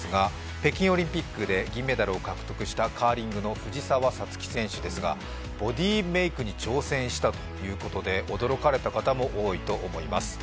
北京オリンピックで銀メダルを獲得したカーリングの藤澤五月選手ですがボディーメークに挑戦したということで、驚かれた方も多いと思います。